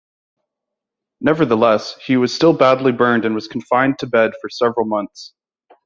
Nevertheless, he was still badly burned and was confined to bed for several months.